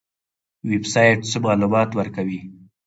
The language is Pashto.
ویب سایټ څه معلومات ورکوي؟